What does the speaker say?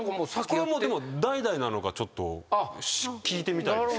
でも代々なのかちょっと聞いてみたいです。